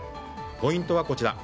ポイントはこちら。